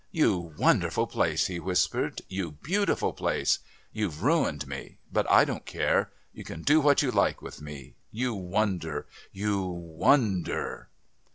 "You wonderful place!" he whispered. "You beautiful place! You've ruined me, but I don't care. You can do what you like with me. You wonder! You wonder!"